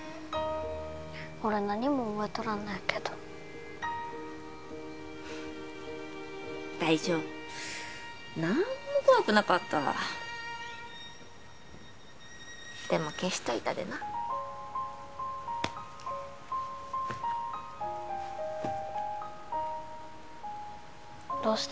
俺何も覚えとらんのやけど大丈夫何も怖くなかったわでも消しといたでなどうした？